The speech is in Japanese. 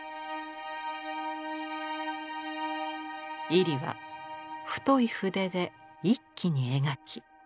位里は太い筆で一気に描き。